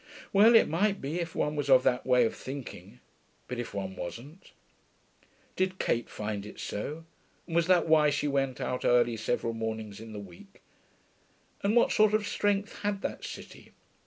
Well, it might be, if one was of that way of thinking. But if one wasn't? Did Kate find it so, and was that why she went out early several mornings in the week? And what sort of strength had that city?